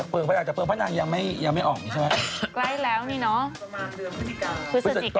ปลิงพระนางจากปลิงพระนางยังไม่ออกนี้ใช่ไหม